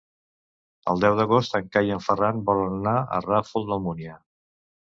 El deu d'agost en Cai i en Ferran volen anar al Ràfol d'Almúnia.